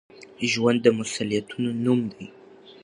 ژوند د مسؤليتونو نوم دی.